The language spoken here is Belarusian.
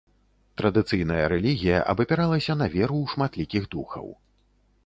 Традыцыйная рэлігія абапіралася на веру ў шматлікіх духаў.